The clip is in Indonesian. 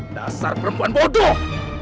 dasar perempuan bodoh